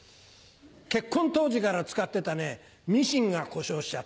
結婚当時から使ってたミシンが故障しちゃったんだ。